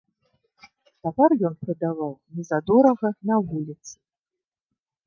Тавар ён прадаваў незадорага на вуліцы.